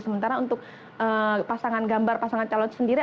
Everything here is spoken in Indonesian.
sementara untuk pasangan gambar pasangan calon sendiri